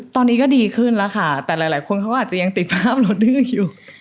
ตอนนี้ก็ดีขึ้นแล้วค่ะแต่หลายคนเขาอาจจะยังติดภาพรถดื้ออยู่